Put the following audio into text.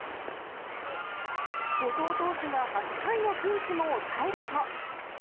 後藤投手が８回のピンチも抑えると。